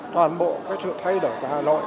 toàn bộ cái sự thay đổi của hà nội